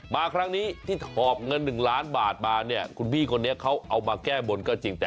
มาครั้งนี้ที่ถอบเงิน๑ล้านบาทมาเนี่ยคุณพี่คนนี้เขาเอามาแก้บนก็จริงแต่